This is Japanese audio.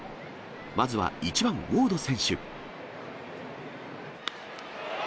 まずは１番ウォード選手。